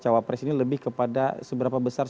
cawapres ini lebih kepada seberapa besar